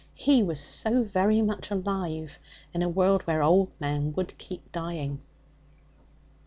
He was so very much alive in a world where old men would keep dying.